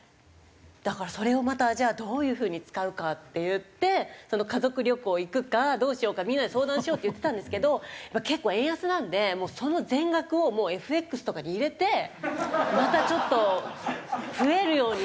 だからそれをまたじゃあどういう風に使うかっていって家族旅行行くかどうしようかみんなで相談しようって言ってたんですけど結構円安なんでその全額をＦＸとかに入れてまたちょっと増えるようにやってみようかみたいな。